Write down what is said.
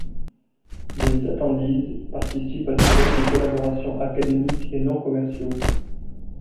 Les Attendees participent à des projets de collaboration académiques et non commerciaux.